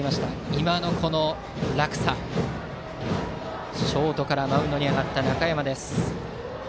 今の落差、ショートからマウンドに上がった中山です。